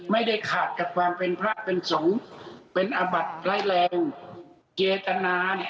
ไม่ได้ขาดกับความเป็นพลาดเป็นสงบเป็นอาบัติไพร่แรงเจกตระนาน